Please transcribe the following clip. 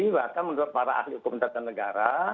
bahkan menurut para ahli hukum tata negara